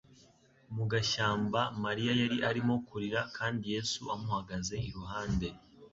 Mu gashyamba Mariya yari arimo kurira kandi Yesu amuhagaze iruhande.